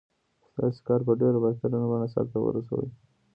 ستاسې کار په ډېره بهتره بڼه سرته ورسوي.